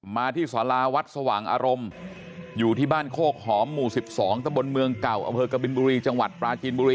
มาที่สาราวัดสว่างอารมณ์อยู่ที่บ้านโคกหอมหมู่๑๒ตะบลเมืองเก่า